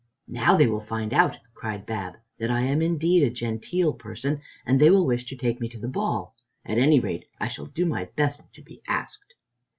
"Now they will find out," cried Bab, "that I am indeed a genteel person, and they will wish to take me to the ball. At any rate, I shall do my best to be asked."